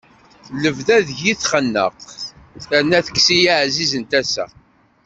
D lebda deg-i txenneq, terna tekkes-iyi aɛziz n tasa.